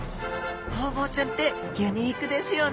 ホウボウちゃんってユニークですよね